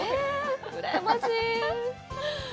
うらやましい！